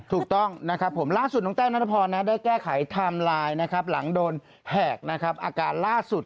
ถูกต้องล่าสุดหลังจากแก้ไขแทมไลน์หลังโดนแหกอากาศล่าสุด